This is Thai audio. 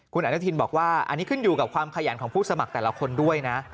คุณอนุทินบอกว่าอันนี้ขึ้นอยู่กับความขยันของผู้สมัครแต่ละคนด้วยนะ